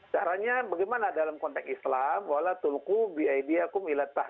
caranya bagaimana dalam konteks islam